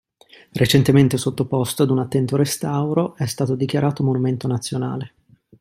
Recentemente sottoposto ad un attento restauro, è stato dichiarato monumento nazionale.